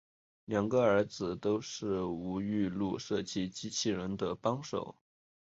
两个儿子都是吴玉禄设计机器人的帮手。